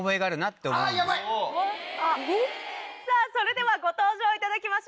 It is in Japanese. さぁそれではご登場いただきましょう。